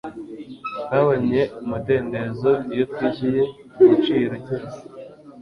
twabonye umudendezo iyo twishyuye igiciro cyose